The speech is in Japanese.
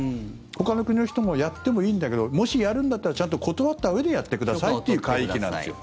ほかの国の人もやってもいいんだけどもしやるんだったらちゃんと断ったうえでやってくださいという海域なんですよ。